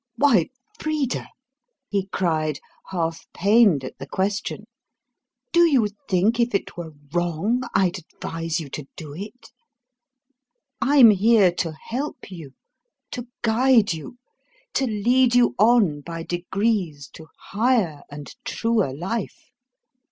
"Why, Frida," he cried, half pained at the question, "do you think if it were WRONG I'd advise you to do it? I'm here to help you, to guide you, to lead you on by degrees to higher and truer life.